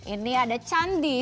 ini ada candi borobudur